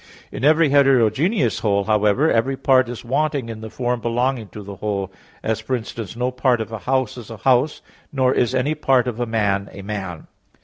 In every heterogeneous whole, however, every part is wanting in the form belonging to the whole; as, for instance, no part of a house is a house, nor is any part of a man a man.